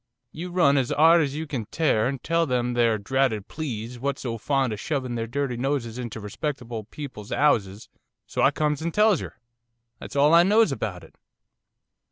You run as 'ard as you can tear and tell them there dratted pleese what's so fond of shovin' their dirty noses into respectable people's 'ouses." So I comes and tells yer. That's all I knows about it.